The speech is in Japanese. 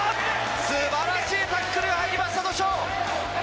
すばらしいタックルが入りました、土性。